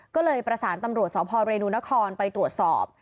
ก็เลยประสานตำรวจสพเรนูนครไปตรวจสอบ